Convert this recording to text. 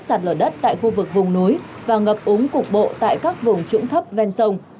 sạt lở đất tại khu vực vùng núi và ngập úng cục bộ tại các vùng trũng thấp ven sông